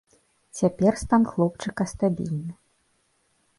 Цяпер стан хлопчыка стабільны.